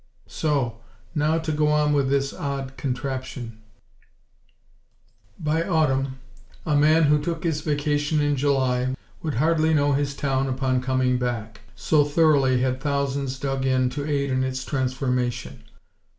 So, now to go on with this odd contraption: By Autumn, a man who took his vacation in July, would hardly know his town upon coming back, so thoroughly had thousands "dug in" to aid in its transformation.